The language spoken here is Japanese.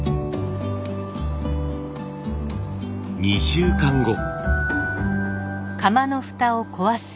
２週間後。